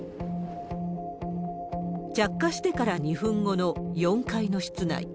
着火してから２分後の４階の室内。